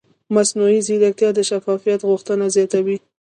مصنوعي ځیرکتیا د شفافیت غوښتنه زیاتوي.